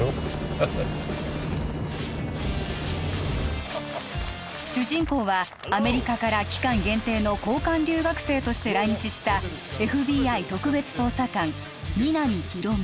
ハッハッハウッフッフ主人公はアメリカから期間限定の交換留学生として来日したＦＢＩ特別捜査官皆実